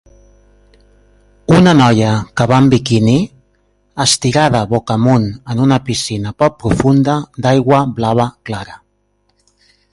Una noia que va un biquini estirada boca amunt en una piscina poc profunda d'aigua blava clara.